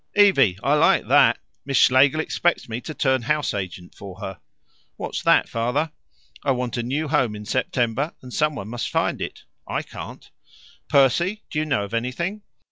"Evie, I like that! Miss Schlegel expects me to turn house agent for her!" "What's that, Father? "I want a new home in September, and someone must find it. I can't." "Percy, do you know of anything?"